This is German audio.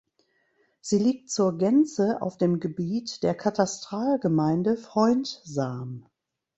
Sie liegt zur Gänze auf dem Gebiet der Katastralgemeinde Freundsam.